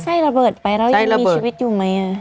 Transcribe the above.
ใช่ระเบิดไปแล้วยังมีชีวิตอยู่ไหม